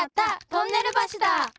トンネルばしだ！